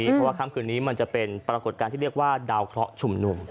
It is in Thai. เพราะว่าค่ำคืนนี้มันจะเป็นปรากฏการณ์ที่เรียกว่าดาวเคราะห์ชุมนุม